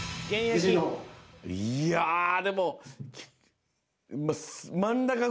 いやぁでも。